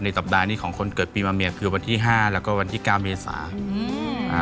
สัปดาห์นี้ของคนเกิดปีมาเมียคือวันที่ห้าแล้วก็วันที่เก้าเมษาอืมอ่า